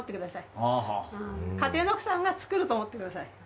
家庭の奥さんが作ると思ってください。